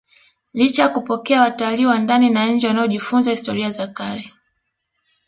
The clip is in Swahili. licha ya kupokea watalii wa ndani na nje wanaojifunza historia za kale